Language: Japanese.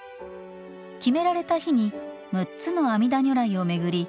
決められた日に６つの阿弥陀如来を巡り